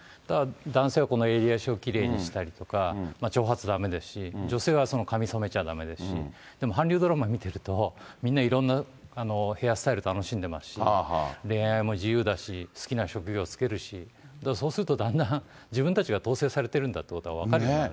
男性はこの襟足をきれいにしたりとか、長髪だめですし、女性は髪染めちゃだめですし、でも韓流ドラマ見てると、みんないろんなヘアスタイル楽しんでますし、恋愛も自由だし、好きな職業就けるし、そうすると、だんだん自分たちが統制されているんだっていうことが分かる。